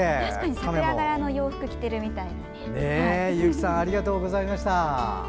桜柄の洋服着ているみたい。